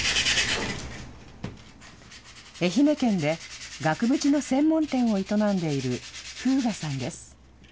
愛媛県で額縁の専門店を営んでいる、風雅さんです。